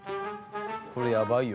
「これやばいよ」